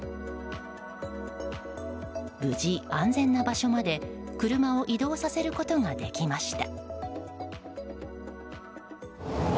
無事、安全な場所まで車を移動させることができました。